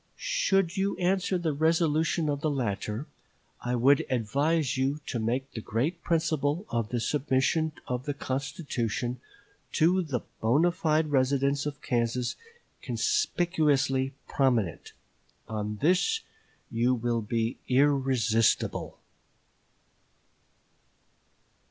Should you answer the resolution of the latter, I would advise you to make the great principle of the submission of the constitution to the bonâ fide residents of Kansas conspicuously prominent. On this you will be irresistible."